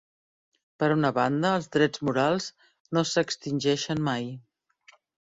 Per una banda, els drets morals no s'extingeixen mai.